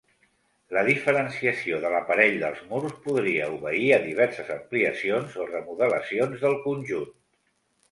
La diferenciació de l'aparell dels murs podria obeir a diverses ampliacions o remodelacions del conjunt.